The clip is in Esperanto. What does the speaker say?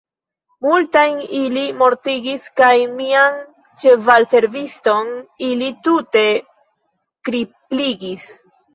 Multajn ili mortigis, kaj mian ĉevalserviston ili tute kripligis.